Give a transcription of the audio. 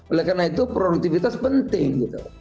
oleh karena itu produktivitas penting gitu